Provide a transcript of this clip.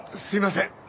すいません。